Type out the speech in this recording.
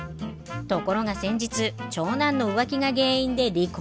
ところが先日長男の浮気が原因で離婚。